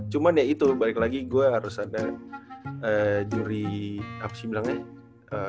cuman ya itu balik lagi gue harus ada juri apa sih bilangnya